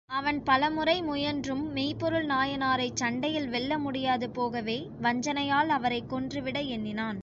அவன் பலமுறை முயன்றும் மெய்ப்பொருள் நாயனாரைச் சண்டையில் வெல்ல முடியாது போகவே வஞ்சனையால் அவரைக் கொன்றுவிட எண்ணினான்.